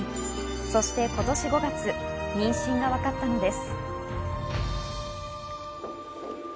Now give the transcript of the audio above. そして今年５月、妊娠が分かったのです。